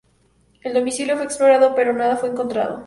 El domicilio fue explorado pero nada fue encontrado.